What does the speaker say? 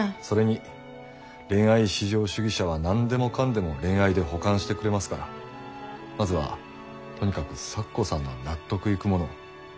それに恋愛至上主義者は何でもかんでも恋愛で補完してくれますからまずはとにかく咲子さんの納得いくものを。